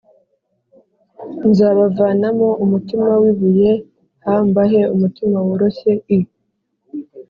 Nzabavanamo umutima w ibuye h mbahe umutima woroshye i